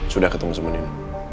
sudah ketemu semen ini